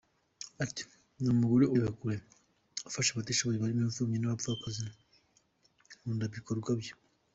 Ati “Ni umugore ureba kure! Afasha abatishoboye barimo impfubyi n’abapfakazi! Nkunda ibikorwa bye.